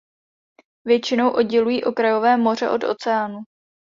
Většinou oddělují okrajové moře od oceánu.